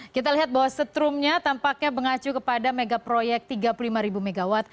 kita lihat bahwa setrumnya tampaknya mengacu kepada megaproyek tiga puluh lima mw